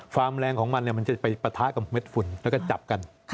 แรงของมันมันจะไปปะทะกับเม็ดฝุ่นแล้วก็จับกัน